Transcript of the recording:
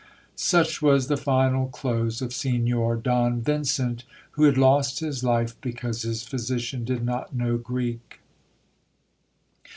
Such was the final close of Signor ^Don Vincent, who had lost his life because his physician did not know Greek.